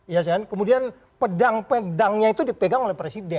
iya saya ingin kemudian pedang pedangnya itu dipegang oleh presiden